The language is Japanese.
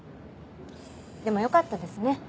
でもよかったですね。